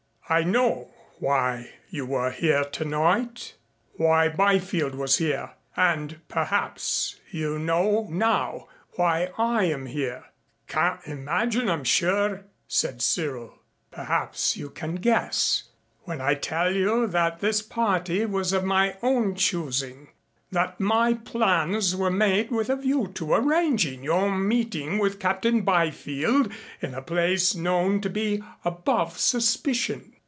I know why you were here tonight, why Byfield was here and perhaps you know now why I am here." "Can't imagine, I'm sure," said Cyril. "Perhaps you can guess, when I tell you that this party was of my own choosing that my plans were made with a view to arranging your meeting with Captain Byfield in a place known to be above suspicion.